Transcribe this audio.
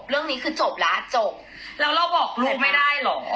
เรื่องนี้คือจบแล้วจบแล้วเราบอกลูกไม่ได้เหรอ